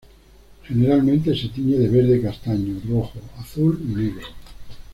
Generalmente se tiñe de verde, castaño, rojo, azul y negro.